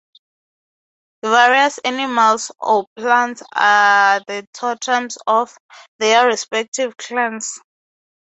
The various animals or plants are the totems of their respective clans.